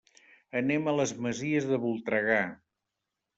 Anem a les Masies de Voltregà.